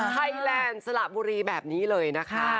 ไทยแลนด์สละบุรีแบบนี้เลยนะคะ